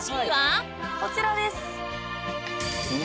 こちらです！